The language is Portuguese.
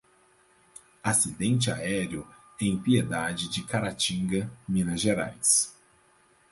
Acidente aéreo em Piedade de Caratinga, Minas Gerais